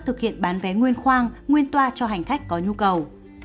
thực hiện bán vé nguyên khoang nguyên toa cho hành khách có nhu cầu